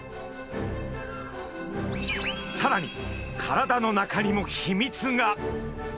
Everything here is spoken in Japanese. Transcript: さらに体の中にも秘密が！